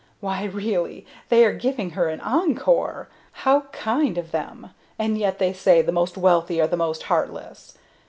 Why, really, they are giving her an encore! How kind of them; and yet they say the most wealthy are the most heartless.